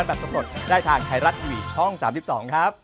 โอ้โหโอ้โห